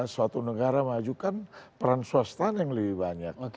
suatu negara majukan peran swasta yang lebih banyak